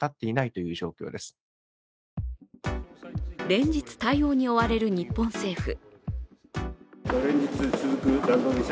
連日、対応に追われる日本政府。